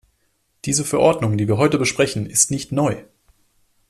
Diese Verordnung, die wir heute besprechen, ist nicht neu.